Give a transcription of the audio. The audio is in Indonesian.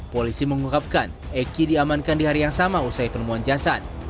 polisi mengungkapkan eki diamankan di hari yang sama usai penemuan jasad